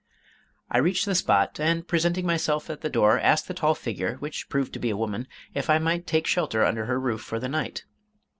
I reached the spot, and presenting myself at the door, asked the tall figure, which proved to be a woman, if I might take shelter under her roof for the night.